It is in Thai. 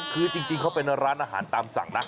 คือจริงเขาเป็นร้านอาหารตามสั่งนะ